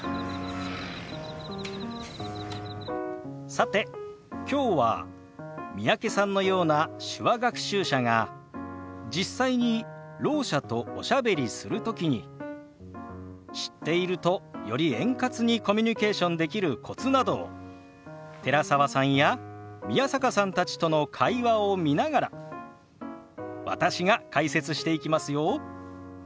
さてきょうは三宅さんのような手話学習者が実際にろう者とおしゃべりする時に知っているとより円滑にコミュニケーションできるコツなどを寺澤さんや宮坂さんたちとの会話を見ながら私が解説していきますよ。